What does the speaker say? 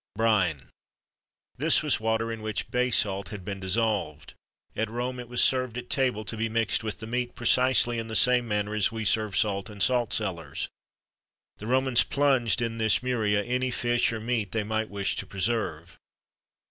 BRINE. This was water in which bay salt had been dissolved. At Rome, it was served at table to be mixed with the meat precisely in the same manner as we serve salt in salt cellars. The Romans plunged in this muria any fish or meat they might wish to preserve.